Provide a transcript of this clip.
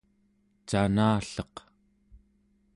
canalleq